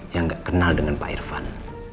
yang nggak kenal dengan pak irfan